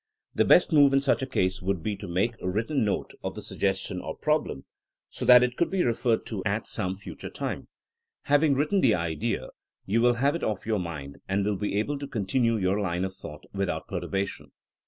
The best move in such a case would be to make | written note of the suggestion or problem, so that it could be referred to at some future time. Having written the idea, you will have it off your mind, and will be able to continue your line of thought without perturbation.